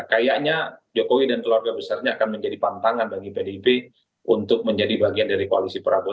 kayaknya jokowi dan keluarga besarnya akan menjadi pantangan bagi pdip untuk menjadi bagian dari koalisi prabowo